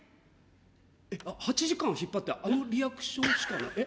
えっ８時間引っ張ってあのリアクションしかない？